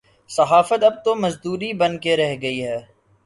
صحافت اب تو مزدوری بن کے رہ گئی ہے۔